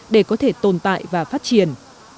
để có thể tồn tại và phát triển